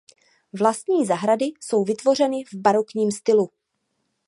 Vlastní zahrady jsou vytvořeny v barokním stylu.